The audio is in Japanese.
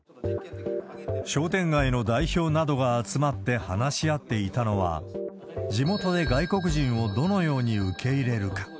商店街の代表などが集まって話し合っていたのは、地元で外国人をどのように受け入れるか。